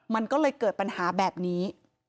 มันก็เลยเกิดปัญหาแบบนี้